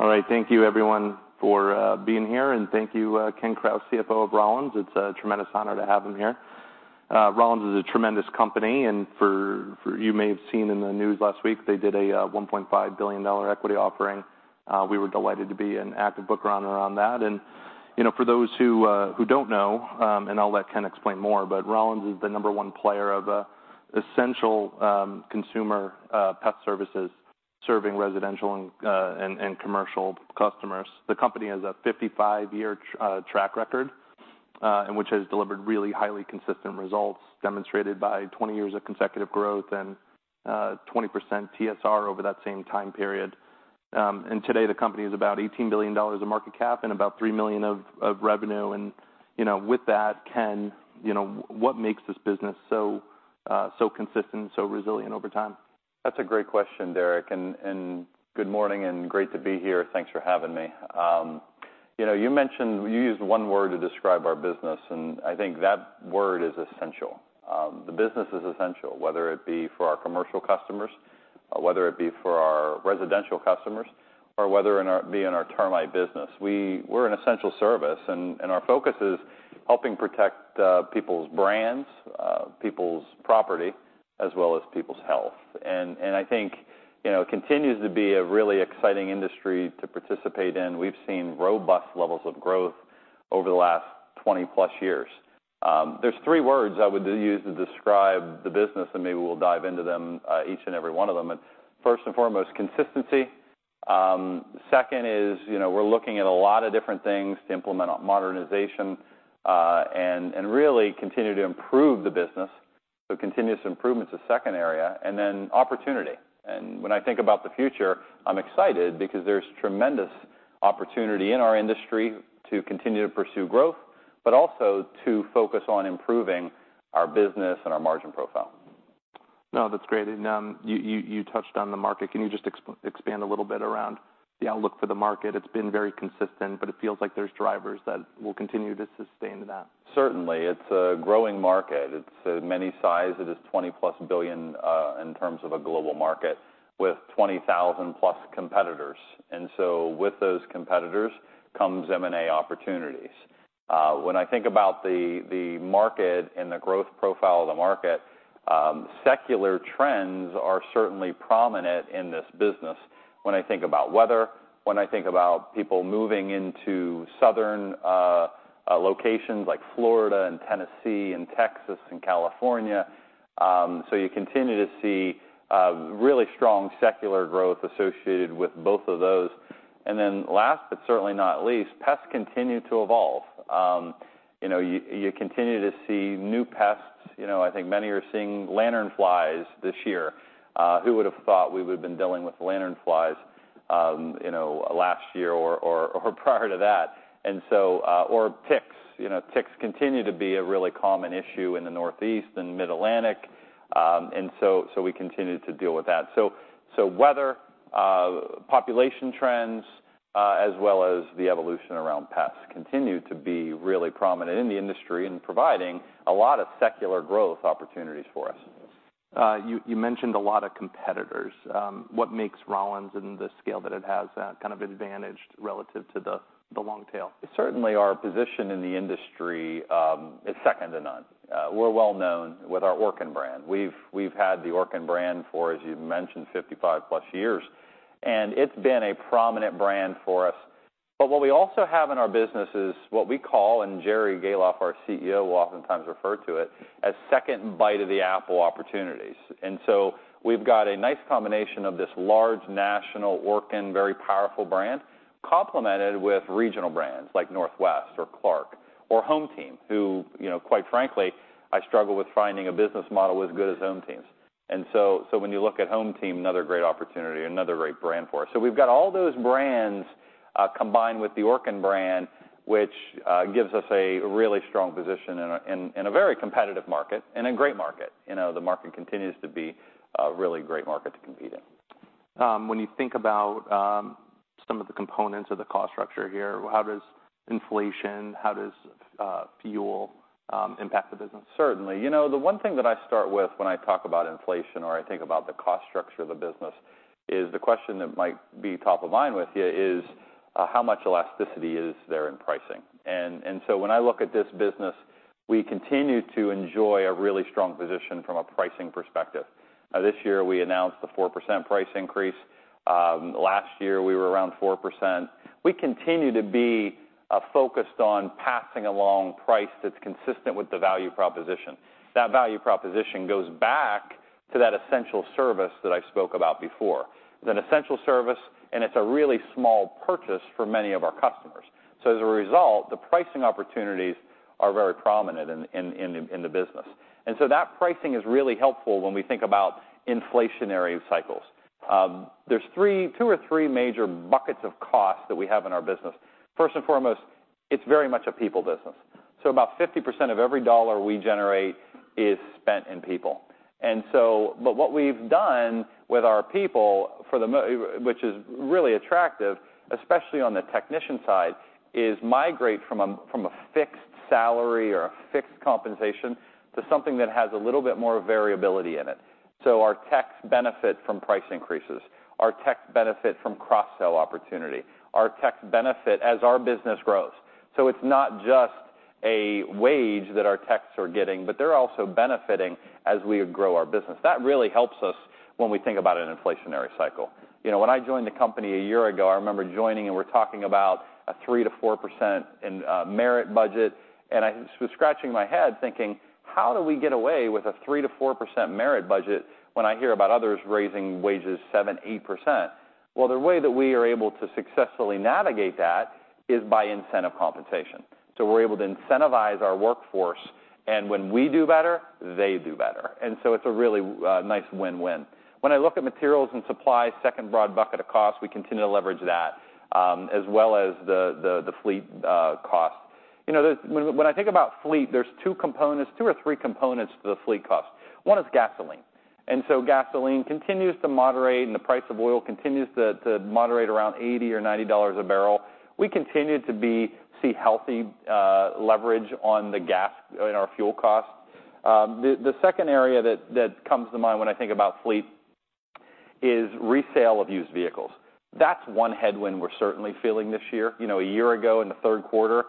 All right, thank you everyone for being here, and thank you, Ken Krause, CFO of Rollins. It's a tremendous honor to have him here. Rollins is a tremendous company, and you may have seen in the news last week, they did a $1.5 billion equity offering. We were delighted to be an active book runner on that. And, you know, for those who don't know, and I'll let Ken explain more, but Rollins is the number one player of essential consumer pest services, serving residential and commercial customers. The company has a 55-year track record, and which has delivered really highly consistent results, demonstrated by 20 years of consecutive growth and 20% TSR over that same time period. And today, the company is about $18 billion of market cap and about $3 million of revenue. And, you know, with that, Ken, you know, what makes this business so, so consistent and so resilient over time? That's a great question, Derek, and good morning, and great to be here. Thanks for having me. You know, you mentioned you used one word to describe our business, and I think that word is essential. The business is essential, whether it be for our commercial customers, or whether it be for our residential customers, or whether it be in our termite business. We're an essential service, and our focus is helping protect people's brands, people's property, as well as people's health. And I think, you know, it continues to be a really exciting industry to participate in. We've seen robust levels of growth over the last 20+ years. There's three words I would use to describe the business, and maybe we'll dive into them, each and every one of them. But first and foremost, consistency. Second is, you know, we're looking at a lot of different things to implement on modernization, and really continue to improve the business. So continuous improvement's the second area, and then opportunity. And when I think about the future, I'm excited because there's tremendous opportunity in our industry to continue to pursue growth, but also to focus on improving our business and our margin profile. No, that's great. And, you touched on the market. Can you just expand a little bit around the outlook for the market? It's been very consistent, but it feels like there's drivers that will continue to sustain that. Certainly. It's a growing market. It's many size. It is $20+ billion in terms of a global market, with 20,000+ competitors. And so with those competitors comes M&A opportunities. When I think about the market and the growth profile of the market, secular trends are certainly prominent in this business. When I think about weather, when I think about people moving into southern locations like Florida and Tennessee and Texas and California. So you continue to see really strong secular growth associated with both of those. And then last, but certainly not least, pests continue to evolve. You know, you continue to see new pests. You know, I think many are seeing lanternflies this year. Who would have thought we would've been dealing with lanternflies, you know, last year or prior to that? And so, ticks. You know, ticks continue to be a really common issue in the Northeast and Mid-Atlantic. And so, we continue to deal with that. So, weather, population trends, as well as the evolution around pests, continue to be really prominent in the industry and providing a lot of secular growth opportunities for us. You mentioned a lot of competitors. What makes Rollins and the scale that it has kind of advantaged relative to the long tail? Certainly, our position in the industry is second to none. We're well-known with our Orkin brand. We've had the Orkin brand for, as you've mentioned, 55+ years, and it's been a prominent brand for us. But what we also have in our business is what we call, and Jerry Gahlhoff, our CEO, will oftentimes refer to it, as Second Bite of the Apple opportunities. And so we've got a nice combination of this large national Orkin, very powerful brand, complemented with regional brands like Northwest or Clark or HomeTeam, who, you know, quite frankly, I struggle with finding a business model as good as HomeTeam's. So when you look at HomeTeam, another great opportunity, another great brand for us. So we've got all those brands, combined with the Orkin brand, which gives us a really strong position in a very competitive market and a great market. You know, the market continues to be a really great market to compete in. When you think about some of the components of the cost structure here, how does inflation, how does fuel impact the business? Certainly. You know, the one thing that I start with when I talk about inflation or I think about the cost structure of the business, is the question that might be top of mind with you is, how much elasticity is there in pricing? And so when I look at this business, we continue to enjoy a really strong position from a pricing perspective. This year, we announced a 4% price increase. Last year, we were around 4%. We continue to be focused on passing along price that's consistent with the value proposition. That value proposition goes back to that essential service that I spoke about before. It's an essential service, and it's a really small purchase for many of our customers. So as a result, the pricing opportunities are very prominent in the business. So that pricing is really helpful when we think about inflationary cycles. There's two or three major buckets of costs that we have in our business. First and foremost, it's very much a people business, so about 50% of every dollar we generate is spent in people. But what we've done with our people, which is really attractive, especially on the technician side, is migrate from a fixed salary or a fixed compensation to something that has a little bit more variability in it. So our techs benefit from price increases, our techs benefit from cross-sell opportunity, our techs benefit as our business grows. So it's not just a wage that our techs are getting, but they're also benefiting as we grow our business. That really helps us when we think about an inflationary cycle. You know, when I joined the company a year ago, I remember joining, and we're talking about a 3%-4% in merit budget, and I was scratching my head thinking: How do we get away with a 3%-4% merit budget when I hear about others raising wages 7%-8%? Well, the way that we are able to successfully navigate that is by incentive compensation. So we're able to incentivize our workforce, and when we do better, they do better, and so it's a really nice win-win. When I look at materials and supplies, second broad bucket of costs, we continue to leverage that, as well as the fleet cost. You know, when I think about fleet, there's two components, two or three components to the fleet cost. One is gasoline, and so gasoline continues to moderate, and the price of oil continues to moderate around $80-$90 a barrel. We continue to see healthy leverage on the gas in our fuel costs. The second area that comes to mind when I think about fleet is resale of used vehicles. That's one headwind we're certainly feeling this year. You know, a year ago, in the third quarter,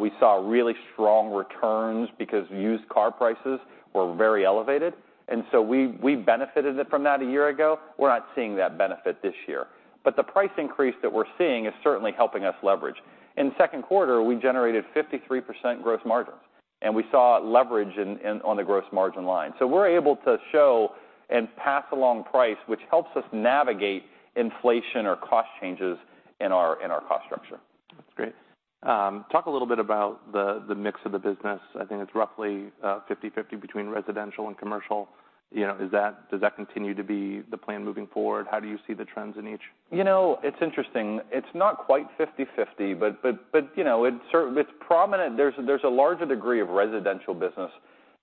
we saw really strong returns because used car prices were very elevated, and so we benefited from that a year ago. We're not seeing that benefit this year. But the price increase that we're seeing is certainly helping us leverage. In the second quarter, we generated 53% gross margins, and we saw leverage on the gross margin line. We're able to show and pass along price, which helps us navigate inflation or cost changes in our cost structure. That's great. Talk a little bit about the mix of the business. I think it's roughly 50/50 between residential and commercial. You know, is that, does that continue to be the plan moving forward? How do you see the trends in each? You know, it's interesting. It's not quite 50/50, but, you know, it sort of... It's prominent. There's a larger degree of residential business,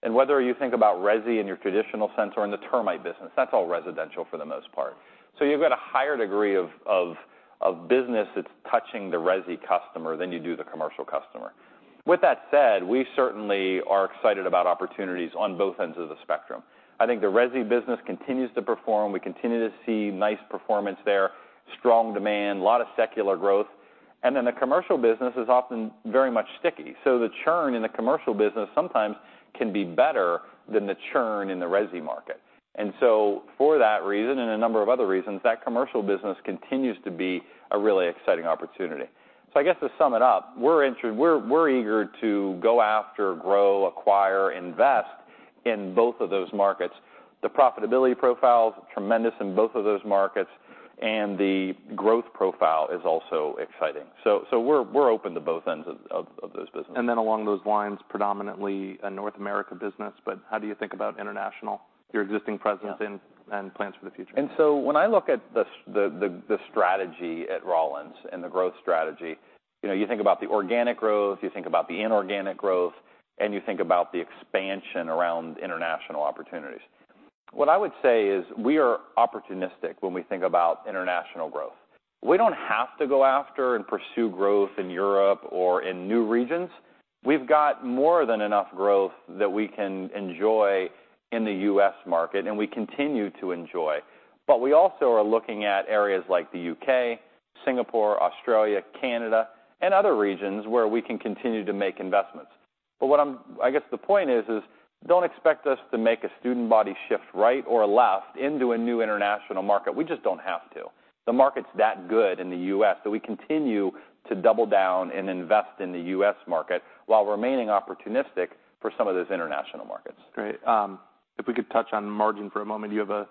and whether you think about resi in your traditional sense or in the termite business, that's all residential for the most part. So you've got a higher degree of business that's touching the resi customer than you do the commercial customer. With that said, we certainly are excited about opportunities on both ends of the spectrum. I think the resi business continues to perform. We continue to see nice performance there, strong demand, a lot of secular growth, and then the commercial business is often very much sticky. So the churn in the commercial business sometimes can be better than the churn in the resi market. And so for that reason, and a number of other reasons, that commercial business continues to be a really exciting opportunity. So I guess to sum it up, we're, we're eager to go after, grow, acquire, invest in both of those markets. The profitability profile is tremendous in both of those markets, and the growth profile is also exciting. So, so we're, we're open to both ends of those businesses. And then, along those lines, predominantly a North America business, but how do you think about international, your existing presence in and plans for the future? And so when I look at the strategy at Rollins and the growth strategy, you know, you think about the organic growth, you think about the inorganic growth, and you think about the expansion around international opportunities. What I would say is we are opportunistic when we think about international growth. We don't have to go after and pursue growth in Europe or in new regions. We've got more than enough growth that we can enjoy in the U.S. market, and we continue to enjoy. But we also are looking at areas like the U.K., Singapore, Australia, Canada, and other regions where we can continue to make investments. But what I'm... I guess the point is, don't expect us to make a student body shift right or left into a new international market. We just don't have to. The market's that good in the U.S., so we continue to double down and invest in the U.S. market while remaining opportunistic for some of those international markets. Great. If we could touch on margin for a moment. You have a,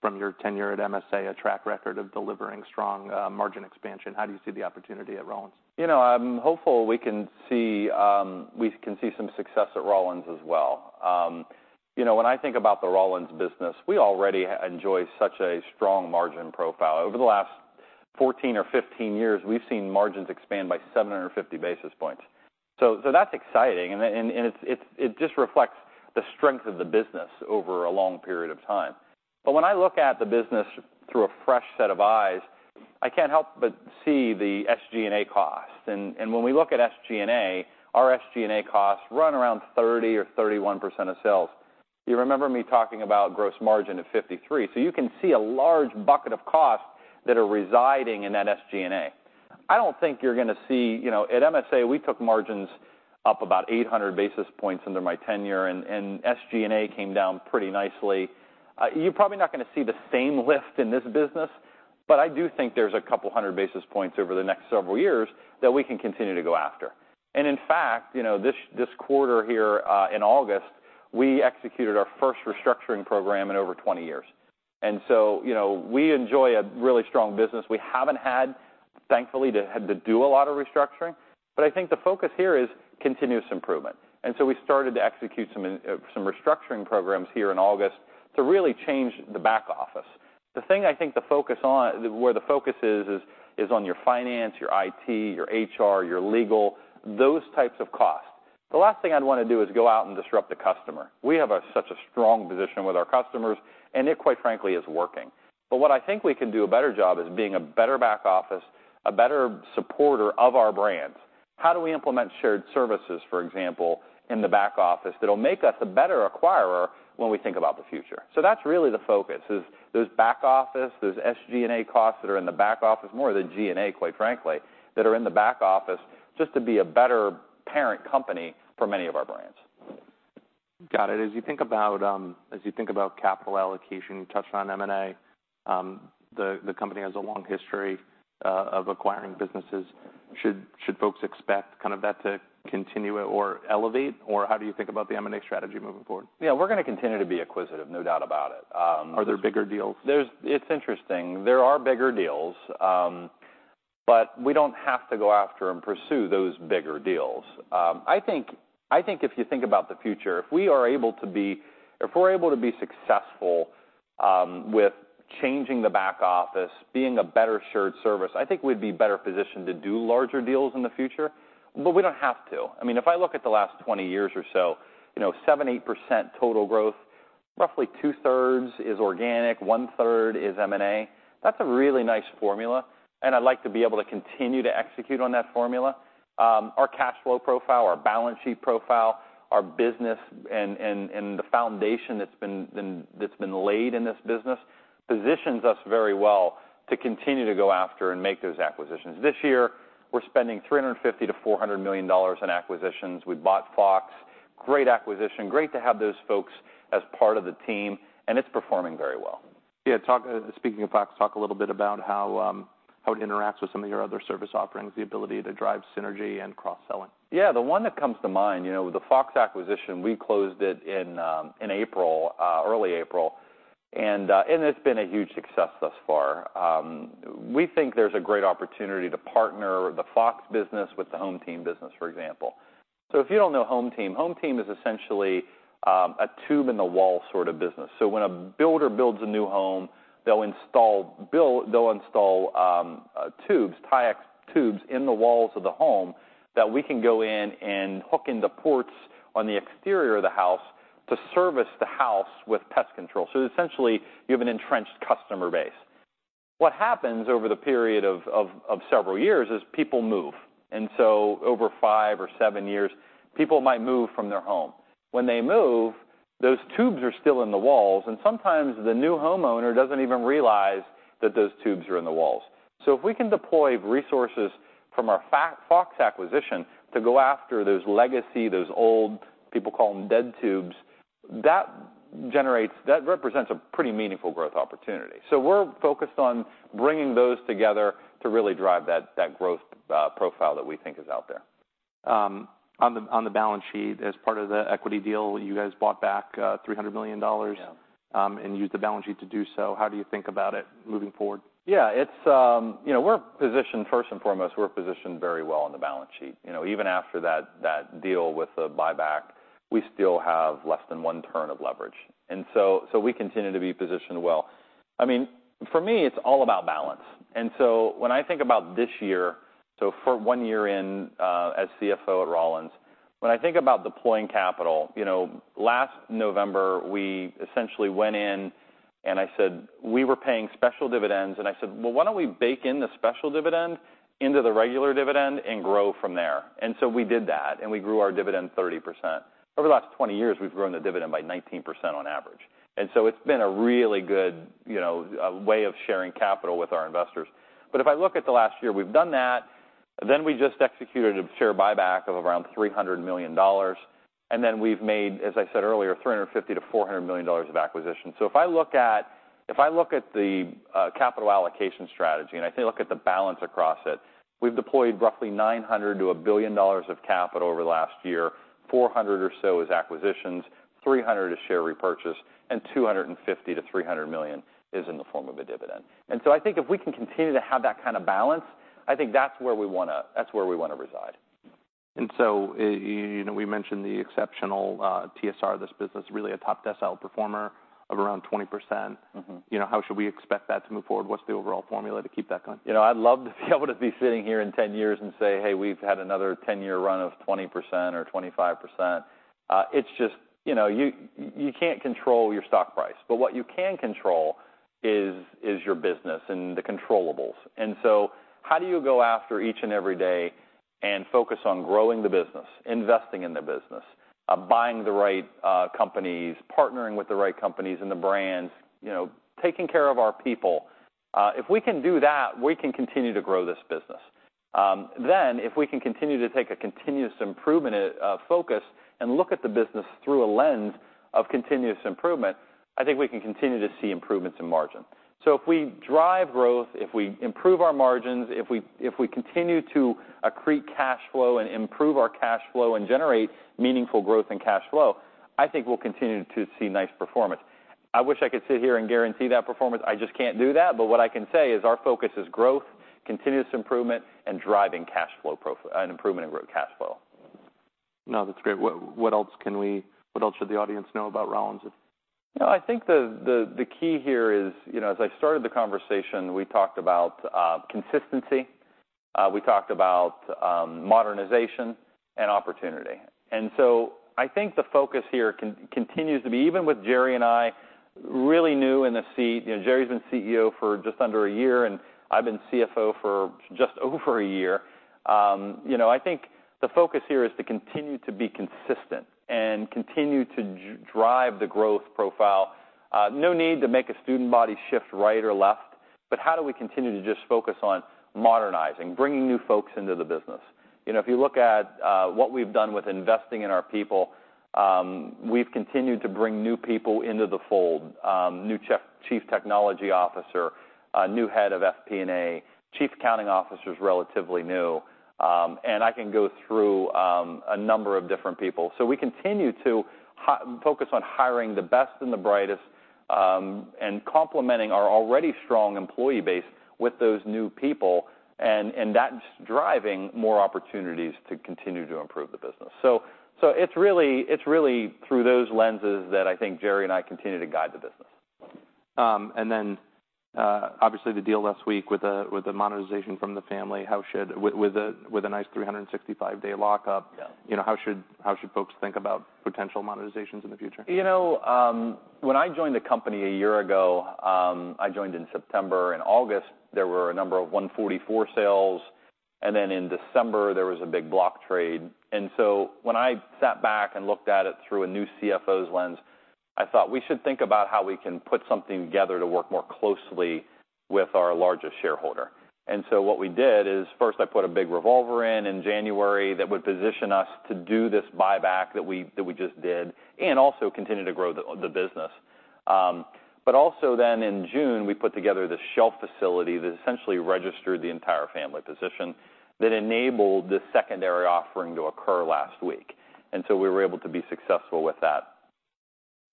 from your tenure at MSA, a track record of delivering strong, margin expansion. How do you see the opportunity at Rollins? You know, I'm hopeful we can see, we can see some success at Rollins as well. You know, when I think about the Rollins business, we already enjoy such a strong margin profile. Over the last 14 or 15 years, we've seen margins expand by 750 basis points. So that's exciting, and it just reflects the strength of the business over a long period of time. But when I look at the business through a fresh set of eyes, I can't help but see the SG&A costs. And when we look at SG&A, our SG&A costs run around 30%-31% of sales. You remember me talking about gross margin of 53%, so you can see a large bucket of costs that are residing in that SG&A. I don't think you're gonna see... You know, at MSA, we took margins up about 800 basis points under my tenure, and SG&A came down pretty nicely. You're probably not gonna see the same lift in this business, but I do think there's a couple hundred basis points over the next several years that we can continue to go after. And in fact, you know, this quarter here, in August, we executed our first restructuring program in over 20 years. And so, you know, we enjoy a really strong business. We haven't had, thankfully, had to do a lot of restructuring, but I think the focus here is continuous improvement. And so we started to execute some restructuring programs here in August to really change the back office. The thing I think the focus on... Where the focus is, is on your finance, your IT, your HR, your legal, those types of costs. The last thing I'd want to do is go out and disrupt the customer. We have such a strong position with our customers, and it, quite frankly, is working. But what I think we can do a better job is being a better back office, a better supporter of our brands. How do we implement shared services, for example, in the back office that'll make us a better acquirer when we think about the future? So that's really the focus is, those back office, those SG&A costs that are in the back office, more the G&A, quite frankly, that are in the back office, just to be a better parent company for many of our brands.... Got it. As you think about capital allocation, you touched on M&A. The company has a long history of acquiring businesses. Should folks expect kind of that to continue or elevate, or how do you think about the M&A strategy moving forward? Yeah, we're gonna continue to be acquisitive, no doubt about it. Are there bigger deals? It's interesting. There are bigger deals, but we don't have to go after and pursue those bigger deals. I think, I think if you think about the future, if we're able to be successful with changing the back office, being a better shared service, I think we'd be better positioned to do larger deals in the future. But we don't have to. I mean, if I look at the last 20 years or so, you know, 7-8% total growth, roughly two-thirds is organic, one-third is M&A. That's a really nice formula, and I'd like to be able to continue to execute on that formula. Our cash flow profile, our balance sheet profile, our business and the foundation that's been laid in this business, positions us very well to continue to go after and make those acquisitions. This year, we're spending $350 million-$400 million in acquisitions. We bought Fox. Great acquisition, great to have those folks as part of the team, and it's performing very well. Yeah, speaking of Fox, talk a little bit about how it interacts with some of your other service offerings, the ability to drive synergy and cross-selling. Yeah, the one that comes to mind, you know, the Fox acquisition, we closed it in April, early April, and it's been a huge success thus far. We think there's a great opportunity to partner the Fox business with the HomeTeam business, for example. So if you don't know HomeTeam, HomeTeam is essentially a tube in the wall sort of business. So when a builder builds a new home, they'll install tubes, Taexx tubes in the walls of the home, that we can go in and hook into ports on the exterior of the house to service the house with pest control. So essentially, you have an entrenched customer base. What happens over the period of several years is people move, and so over five or seven years, people might move from their home. When they move, those tubes are still in the walls, and sometimes the new homeowner doesn't even realize that those tubes are in the walls. So if we can deploy resources from our Fox acquisition to go after those legacy, those old, people call them dead tubes, that generates, that represents a pretty meaningful growth opportunity. So we're focused on bringing those together to really drive that, that growth, profile that we think is out there. On the balance sheet, as part of the equity deal, you guys bought back $300 million- Yeah... and used the balance sheet to do so. How do you think about it moving forward? Yeah, it's, you know, we're positioned, first and foremost, we're positioned very well on the balance sheet. You know, even after that, that deal with the buyback, we still have less than one turn of leverage, and so, so we continue to be positioned well. I mean, for me, it's all about balance, and so when I think about this year, so for 1 year in, as CFO at Rollins, when I think about deploying capital, you know, last November, we essentially went in, and I said, we were paying special dividends, and I said, "Well, why don't we bake in the special dividend into the regular dividend and grow from there?" And so we did that, and we grew our dividend 30%. Over the last 20 years, we've grown the dividend by 19% on average. And so it's been a really good, you know, way of sharing capital with our investors. But if I look at the last year, we've done that, then we just executed a share buyback of around $300 million, and then we've made, as I said earlier, $350 million-$400 million of acquisition. So if I look at, if I look at the capital allocation strategy, and if I look at the balance across it, we've deployed roughly $900 million-$1 billion of capital over the last year. $400 million or so is acquisitions, $300 million is share repurchase, and $250 million-$300 million is in the form of a dividend. And so I think if we can continue to have that kind of balance, I think that's where we wanna, that's where we wanna reside. You know, we mentioned the exceptional TSR, this business, really a top decile performer of around 20%. Mm-hmm. You know, how should we expect that to move forward? What's the overall formula to keep that going? You know, I'd love to be able to be sitting here in 10 years and say, "Hey, we've had another 10-year run of 20% or 25%." It's just, you know, you, you can't control your stock price, but what you can control is, is your business and the controllables. And so how do you go after each and every day and focus on growing the business, investing in the business, buying the right companies, partnering with the right companies and the brands, you know, taking care of our people? If we can do that, we can continue to grow this business. Then, if we can continue to take a continuous improvement focus and look at the business through a lens of continuous improvement, I think we can continue to see improvements in margin. So if we drive growth, if we improve our margins, if we, if we continue to accrete cash flow and improve our cash flow and generate meaningful growth in cash flow, I think we'll continue to see nice performance. I wish I could sit here and guarantee that performance. I just can't do that, but what I can say is our focus is growth, continuous improvement, and driving cash flow profi-- an improvement in growth cash flow. No, that's great. What else should the audience know about Rollins? You know, I think the key here is, you know, as I started the conversation, we talked about consistency, we talked about modernization and opportunity. And so I think the focus here continues to be, even with Jerry and I really new in the seat, you know, Jerry's been CEO for just under a year, and I've been CFO for just over a year. You know, I think the focus here is to continue to be consistent and continue to drive the growth profile. No need to make a student body shift right or left. But how do we continue to just focus on modernizing, bringing new folks into the business? You know, if you look at what we've done with investing in our people, we've continued to bring new people into the fold. New Chief Technology Officer, a new head of FP&A, Chief Accounting Officer is relatively new, and I can go through a number of different people. So we continue to focus on hiring the best and the brightest, and complementing our already strong employee base with those new people, and that's driving more opportunities to continue to improve the business. So it's really through those lenses that I think Jerry and I continue to guide the business. And then, obviously, the deal last week with the monetization from the family, how should—with a nice 365-day lockup— Yeah. You know, how should folks think about potential monetizations in the future? You know, when I joined the company a year ago, I joined in September. In August, there were a number of Rule 144 sales, and then in December, there was a big block trade. And so when I sat back and looked at it through a new CFO's lens, I thought we should think about how we can put something together to work more closely with our largest shareholder. And so what we did is first, I put a big revolver in, in January that would position us to do this buyback that we, that we just did, and also continue to grow the, the business. But also then in June, we put together this shelf facility that essentially registered the entire family position that enabled this secondary offering to occur last week. And so we were able to be successful with that.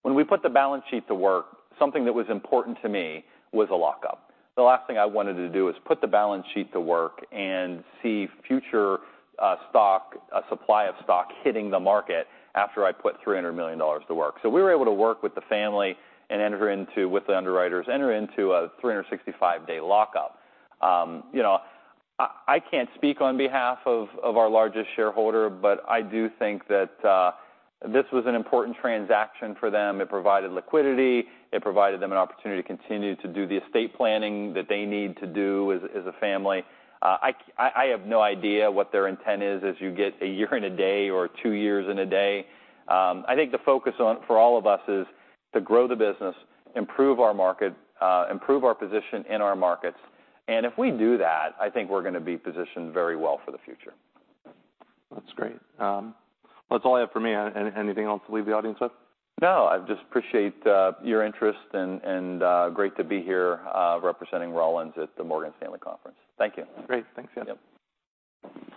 When we put the balance sheet to work, something that was important to me was a lockup. The last thing I wanted to do was put the balance sheet to work and see future stock, a supply of stock, hitting the market after I put $300 million to work. So we were able to work with the family and enter into, with the underwriters, enter into a 365-day lockup. You know, I, I can't speak on behalf of, of our largest shareholder, but I do think that this was an important transaction for them. It provided liquidity, it provided them an opportunity to continue to do the estate planning that they need to do as, as a family. I have no idea what their intent is as you get a year and a day or two years and a day. I think the focus on for all of us is to grow the business, improve our market, improve our position in our markets, and if we do that, I think we're gonna be positioned very well for the future. That's great. That's all I have for me. Anything else to leave the audience with? No, I just appreciate your interest and great to be here, representing Rollins at the Morgan Stanley conference. Thank you. Great. Thanks again. Yep.